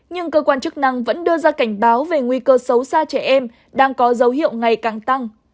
nhưng cơ quan chức năng vẫn đưa ra cảnh báo về nguy cơ xấu xa trẻ em đang có dấu hiệu ngày càng tăng